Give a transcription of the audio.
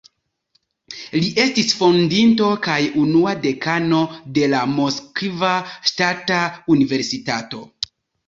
Li estis fondinto kaj unua dekano de la Moskva Ŝtata Universitato.